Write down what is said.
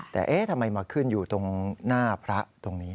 แต่เอ๊ะทำไมมาขึ้นอยู่ตรงหน้าพระตรงนี้